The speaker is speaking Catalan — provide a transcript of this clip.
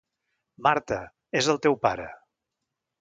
Marta, és el teu pare!